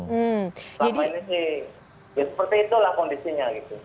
selama ini sih ya seperti itulah kondisinya gitu